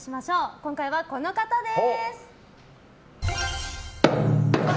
今回はこの方です。